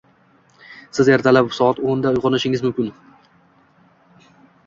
Siz ertalab soat o'nda uygʻonishingiz mumkin